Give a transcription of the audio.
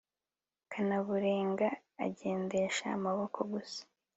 kanaburenge agendesha amaboko gusa